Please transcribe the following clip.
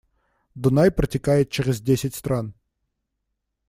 Дунай протекает через десять стран